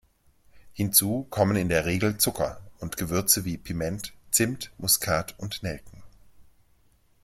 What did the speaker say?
Hinzu kommen in der Regel Zucker und Gewürze wie Piment, Zimt, Muskat und Nelken.